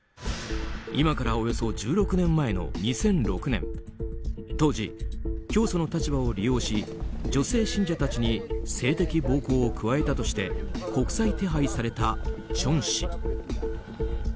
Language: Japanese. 今からおよそ１６年前の２００６年当時、教祖の立場を利用し女性信者たちに性的暴行を加えたとして国際手配されたチョン氏。